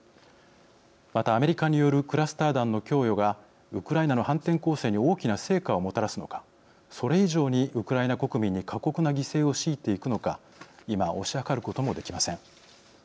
また、アメリカによるクラスター弾の供与がウクライナの反転攻勢に大きな成果をもたらすのかそれ以上にウクライナ国民に過酷な犠牲を強いていくのか今、推し量ることもできません。